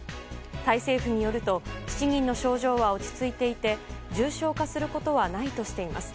タイ政府によると７人の症状は落ち着いていて重症化することはないとしています。